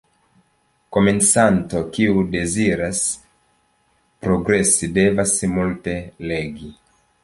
Komencanto, kiu deziras progresi, devas multe legi.